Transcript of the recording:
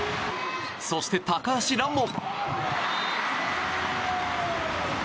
そして、高橋藍も！